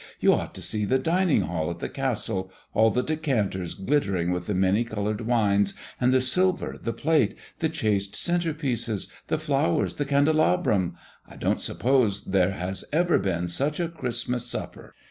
You ought to see the dining hall at the castle, all the decanters glittering with the many colored wines, and the silver, the plate, the chased centre pieces, the flowers, the candelabrum; I don't suppose there has ever been such a Christmas supper!